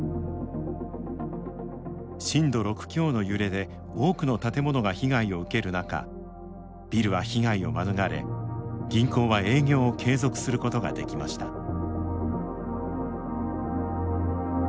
震度６強の揺れで多くの建物が被害を受ける中ビルは被害を免れ銀行は営業を継続することができました。